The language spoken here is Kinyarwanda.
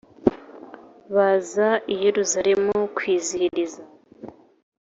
baze i Yerusalemu kwizihiriza